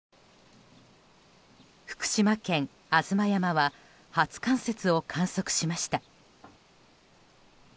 福島県吾妻山は初冠雪を観測しました。